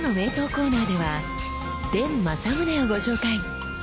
コーナーでは伝正宗をご紹介。